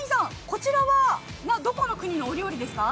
こちらはどこの国のお料理ですか。